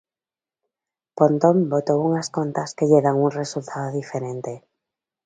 Pontón botou unhas contas que lle dan un resultado diferente.